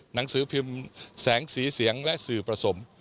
หนังสือพิมพ์แสงสีเสียงและสื่อผสม